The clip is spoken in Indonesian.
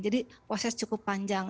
jadi proses cukup panjang